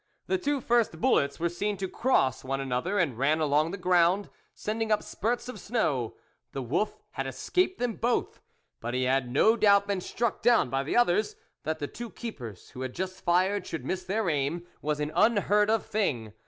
The two first bullets were seen to cross one another, and ran along the ground, sending up spurts of snow ; the wolf had escaped them both, but he had no doubt been struck down by the others ; that the two keepers who had just fired should miss their aim, was an un heard of thing.